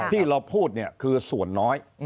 ที่เราพูดคือส่วนน้อย